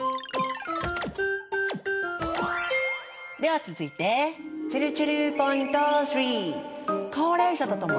では続いてちぇるちぇるポイント３！